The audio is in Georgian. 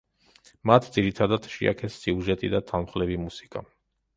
მათ ძირითადად შეაქეს სიუჟეტი და თანმხლები მუსიკა.